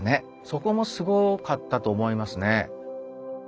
そこもすごかったと思いますね。